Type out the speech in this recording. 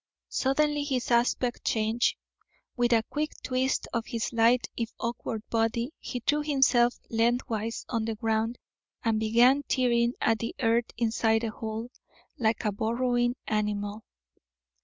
Suddenly his aspect changed. With a quick twist of his lithe, if awkward, body, he threw himself lengthwise on the ground, and began tearing at the earth inside the hole, like a burrowing animal.